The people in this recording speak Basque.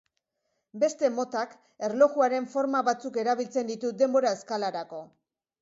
Beste motak erlojuaren forma batzuk erabiltzen ditu denbora-eskalarako.